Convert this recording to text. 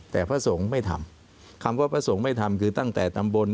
แต่พระสงฆ์ไม่ทำคำว่าพระสงฆ์ไม่ทำคือตั้งแต่ตำบล